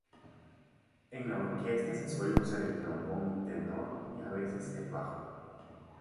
En la orquesta se suele usar el trombón tenor y a veces el bajo.